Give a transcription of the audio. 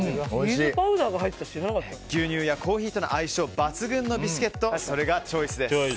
牛乳やコーヒーとの相性が抜群のビスケットそれがチョイスです。